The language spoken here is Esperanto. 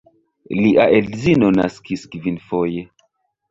Lia edzino naskis kvinfoje.